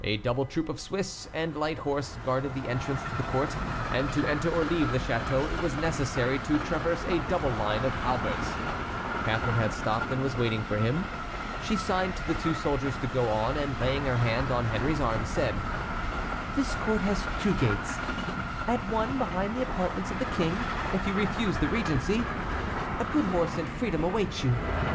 A double troop of Swiss and light horse guarded the entrance to the court, and to enter or leave the château it was necessary to traverse a double line of halberds. Catharine had stopped and was waiting for him. She signed to the two soldiers to go on, and laying her hand on Henry's arm, said: "This court has two gates. At one, behind the apartments of the King, if you refuse the regency, a good horse and freedom await you.